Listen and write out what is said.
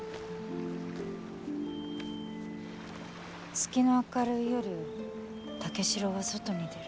月の明るい夜武四郎は外に出る。